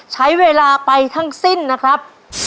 ใช้เวลาไปทั้งสิ้นนะครับ